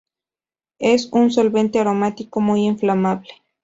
Es un solvente aromático muy inflamable.